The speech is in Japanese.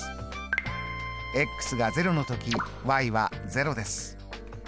が０の時は０です。